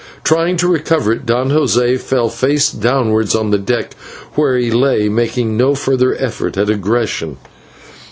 In trying to recover it Don José fell face downwards on the deck, where he lay making no further effort at aggression.